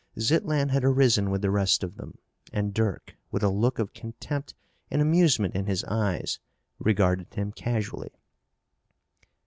Zitlan had arisen with the rest of them and Dirk, with a look of contempt and amusement in his eyes, regarded him casually.